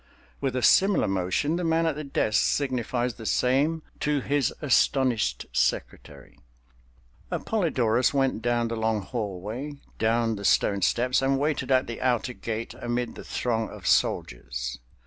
With a similar motion, the man at the desk signifies the same to his astonished secretary. Appolidorus went down the long hallway, down the stone steps and waited at the outer gate amid the throng of soldiers.